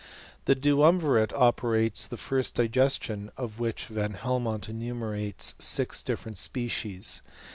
The duumvirate operates the first digestion, of ■ which. Van Helmont enumerates six diflferent species.